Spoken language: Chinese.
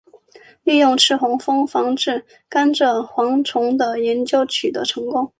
利用赤眼蜂防治甘蔗螟虫的研究取得成功。